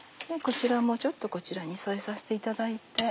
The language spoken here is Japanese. ちょっとこちらに添えさせていただいて。